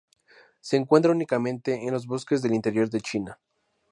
Se encuentra únicamente en los bosques del interior de China.